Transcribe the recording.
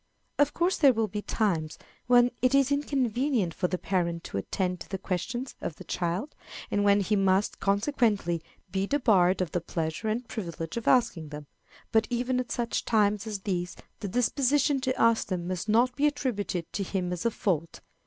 Of course there will be times when it is inconvenient for the parent to attend to the questions of the child, and when he must, consequently, be debarred of the pleasure and privilege of asking them; but even at such times as these the disposition to ask them must not be attributed to him as a fault.